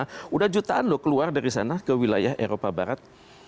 sudah jutaan loh keluar dari sana ke wilayah eropa barat